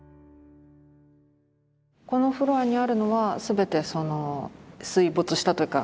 このフロアにあるのは全てその水没したというか。